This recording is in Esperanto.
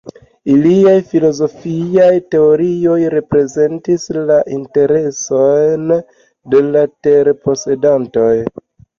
Iliaj filozofiaj teorioj reprezentis la interesojn de la terposedantoj.